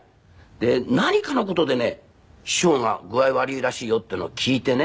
で何かの事でね師匠が具合悪いらしいよっていうのを聞いてね。